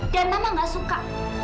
dan mama tidak suka